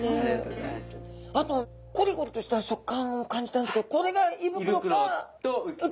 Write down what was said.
あとコリコリとした食感を感じたんですけどこれが胃袋と鰾。